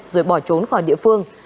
rồi bỏ trốn khỏi địa phương